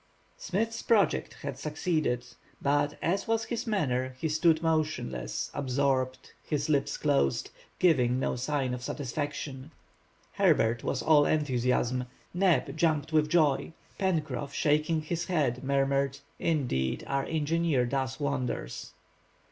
Smith's project had succeeded; but, as was his manner, he stood motionless, absorbed, his lips closed, giving no sign of satisfaction. Herbert was all enthusiasm; Neb jumped with joy; Pencroff, shaking his head, murmured:— "Indeed, our engineer does wonders!"